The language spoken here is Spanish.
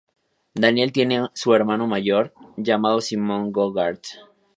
Daniel tiene un hermano mayor llamado Simon Goddard.